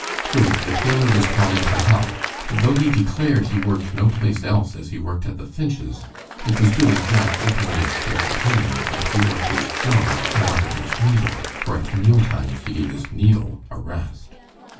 True, the tailor was called in to help, but though he declared he worked no place else as he worked at the Finch's, it was Billy Jack's openly expressed opinion that "he worked his jaw more than his needle, for at meal times he gave his needle a rest."